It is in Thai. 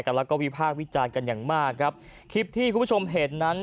แล้วก็วิพากษ์วิจารณ์กันอย่างมากครับคลิปที่คุณผู้ชมเห็นนั้น